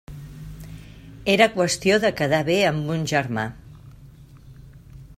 Era qüestió de quedar bé amb un germà.